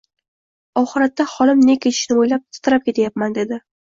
Oxiratda holim ne kechishini o‘ylab titrab ketyapman”, dedi